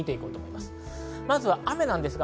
まず雨です。